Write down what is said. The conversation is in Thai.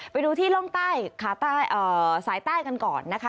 ไปดูที่ร่องใต้สายใต้กันก่อนนะคะ